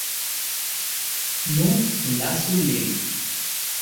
Nu, lasu lin.